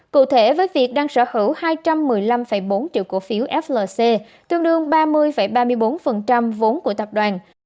cụ thể với việc đang sở hữu hai trăm một mươi năm bốn triệu cổ phiếu flc tương đương ba mươi ba mươi bốn vốn của tập đoàn